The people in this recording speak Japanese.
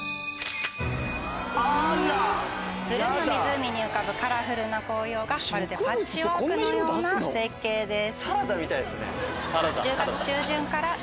ブルーの湖に浮かぶカラフルな紅葉がまるでパッチワークのような絶景です。